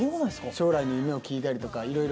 将来の夢を聞いたりとかいろいろ交流をして。